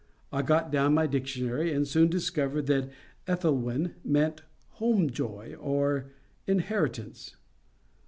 I got down my dictionary, and soon discovered that Ethelwyn meant Home joy, or Inheritance.